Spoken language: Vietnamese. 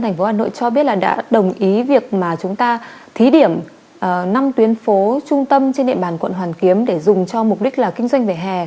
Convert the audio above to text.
thành phố hà nội cho biết là đã đồng ý việc mà chúng ta thí điểm năm tuyến phố trung tâm trên địa bàn quận hoàn kiếm để dùng cho mục đích là kinh doanh về hè